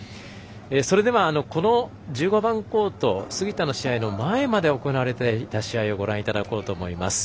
それでは、この１５番コート杉田の試合の前まで行われていた試合をご覧いただこうと思います。